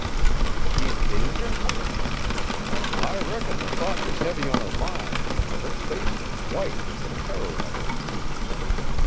"Is she in danger?" "I reckon the thought was heavy on her mind, for her face was white with the terror of it."